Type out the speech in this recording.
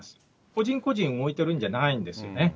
個人個人をおいてるんじゃないんですよね。